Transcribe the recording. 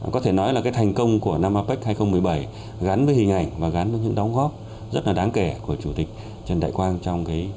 có thể nói là thành công của năm apec hai nghìn một mươi bảy gắn với hình ảnh và gắn với những đóng góp rất là đáng kể của chủ tịch trần đại quang trong